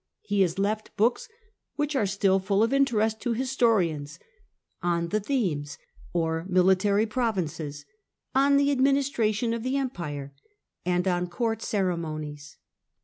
He has left books which are still full of interest to historians, " On the Themes/' or military provinces, " On the Administration of the Empire," and on Court Ceremonies.